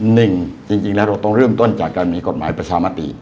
หนึ่งจริงแล้วเราต้องเริ่มต้นจากการมีกฎหมายประชามติ